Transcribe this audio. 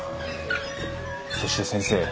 そして先生